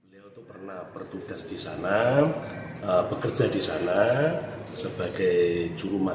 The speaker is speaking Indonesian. beliau itu pernah bertugas di sana bekerja di sana sebagai jurumah